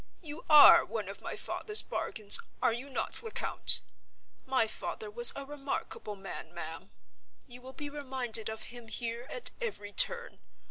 You are one of my father's bargains, are you not, Lecount? My father was a remarkable man, ma'am. You will be reminded of him here at every turn.